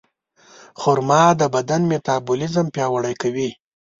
خرما د بدن میتابولیزم پیاوړی کوي.